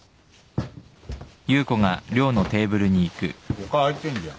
ほか空いてんじゃん。